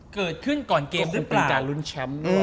เกิดขึ้นก่อนเกมรึเปล่า